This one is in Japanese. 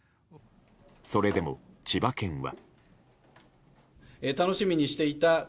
それでも千葉県は。